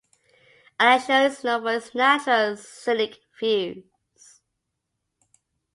Alassio is known for its natural and scenic views.